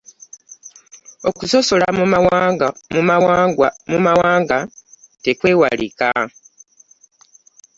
Okusososla mu mwawnaga tekwewalika .